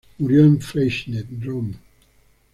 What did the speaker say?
Murió en Freycinet, Drôme.